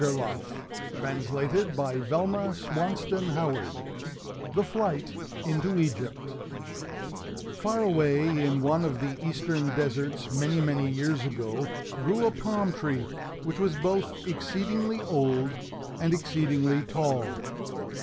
[Illustration: The Flight Into Egypt] THE FLIGHT INTO EGYPT Far away in one of the Eastern deserts many, many years ago grew a palm tree, which was both exceedingly old and exceedingly tall.